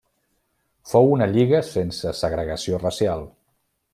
Fou una lliga sense segregació racial.